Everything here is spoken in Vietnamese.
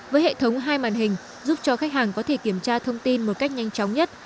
với hệ thống hai màn hình giúp cho khách hàng có thể kiểm tra thông tin một cách nhanh chóng nhất